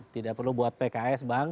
tidak perlu buat pks bang